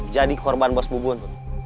jadi korban bos bubun